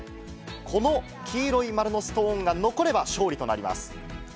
この黄色い丸のストーンが残れば勝利となります。